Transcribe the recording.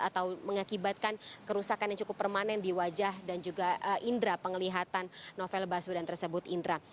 atau mengakibatkan kerusakan yang cukup permanen di wajah dan juga indera penglihatan novel baswedan tersebut indra